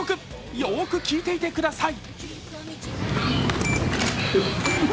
よーく聴いていてください。